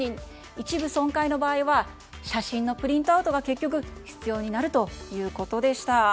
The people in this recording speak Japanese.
一部損壊の場合は写真のプリントアウトが結局必要になるということでした。